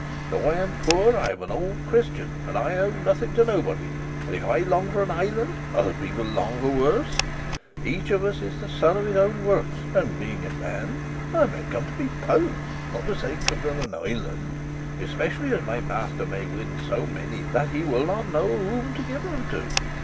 Though I am poor I am an old Christian, and I owe nothing to nobody, and if I long for an island, other people long for worse. Each of us is the son of his own works; and being a man I may come to be pope, not to say governor of an island, especially as my master may win so many that he will not know whom to give them to.